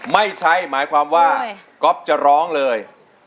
ไม่ใช่หมายความว่าก๊อฟจะร้องเลย